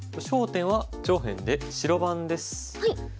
焦点は上辺で白番です。